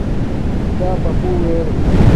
کھیتاپ اپو ار